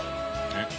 え？